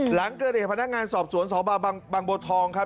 หลังเกิดเหตุพนักงานสอบสวนสบบางบัวทองครับ